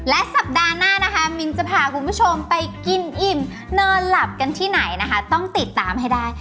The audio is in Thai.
และสัปดาห์หน้านะคะมิ้นจะพาคุณผู้ชมไปกินอิ่มนอนหลับกันที่ไหนนะคะต้องติดตามให้ได้